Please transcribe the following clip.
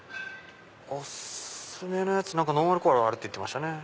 お薦めのやつノンアルコールあるって言ってた。